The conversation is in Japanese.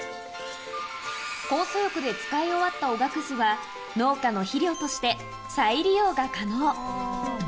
酵素浴で使い終わったおがくずは、農家の肥料として、再利用が可能。